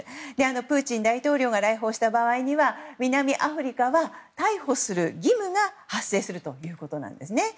プーチン大統領が来訪した場合には南アフリカは逮捕する義務が発生するということです。